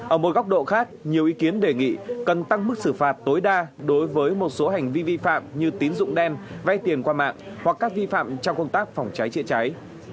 ở một góc độ khác nhiều ý kiến đề nghị cần tăng mức xử phạt tối đa đối với một số hành vi vi phạm như tín dụng đen vay tiền qua mạng hoặc các vi phạm trong công tác phòng cháy chữa cháy